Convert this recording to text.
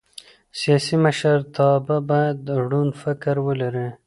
سیاسي مشرتابه باید روڼ فکر ولري